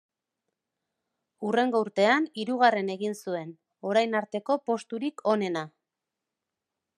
Hurrengo urtean hirugarren egin zuen, orain arteko posturik onena.